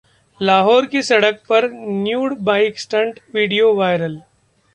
लाहौर की सड़क पर nude bike stunt, video viral